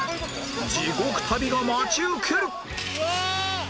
地獄旅が待ち受ける！